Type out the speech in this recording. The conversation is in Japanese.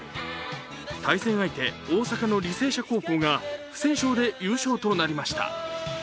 対戦相手、大阪の履正社高校が不戦勝で優勝となりました。